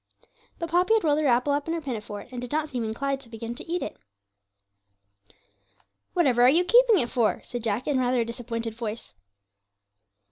But Poppy had rolled her apple up in her pinafore, and did not seem inclined to begin to eat it. 'Whatever are you keeping it for?' said Jack, in rather a disappointed voice.